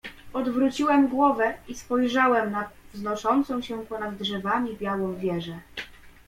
"Odwróciłem głowę i spojrzałem na wznoszącą się ponad drzewami białą wieżę."